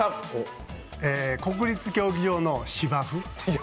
国立競技場の芝生？